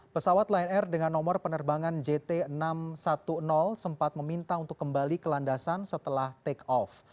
pesawat lion air dengan nomor penerbangan jt enam ratus sepuluh sempat meminta untuk kembali ke landasan setelah take off